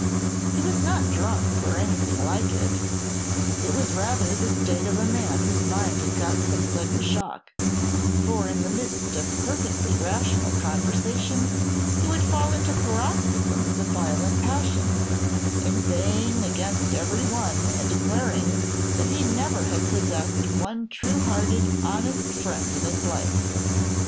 He was not drunk, nor anything like it, it was rather the state of a man whose mind had got some sudden shock; for in the midst of perfectly rational conversation, he would fall into paroxysms of violent passion, inveighing against every one, and declaring that he never had possessed one true hearted, honest friend in his life.